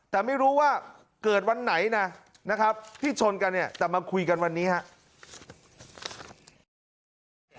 แต่ไม่รู้ว่าเกิดวันไหนนะนะครับที่ชนกันเนี่ยแต่มาคุยกันวันนี้ครับ